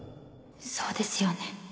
そうですよね。